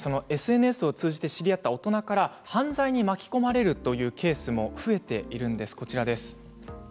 ＳＮＳを通じて知り合った大人から犯罪に巻き込まれるケースも増えているんです。